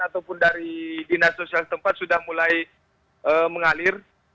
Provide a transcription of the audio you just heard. ataupun dari dinas sosial tempat sudah mulai mengalir